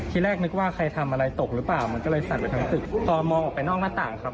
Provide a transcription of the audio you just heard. ที่แรกนึกว่าใครทำอะไรตกหรือเปล่ามันก็เลยสั่นไปทางตึกพอมองออกไปนอกหน้าต่างครับ